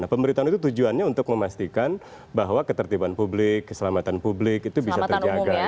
pemberitahuan itu tujuannya untuk memastikan bahwa ketertiban publik keselamatan publik itu bisa terjaga